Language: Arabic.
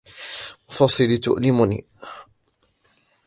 مفاصلي تؤلمني.